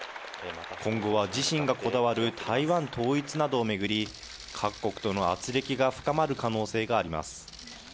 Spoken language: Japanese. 今後は自身がこだわる台湾統一などを巡り、各国とのあつれきが深まる可能性があります。